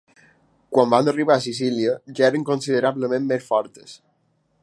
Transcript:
Quan van arribar a Sicília, ja eren considerablement més fortes.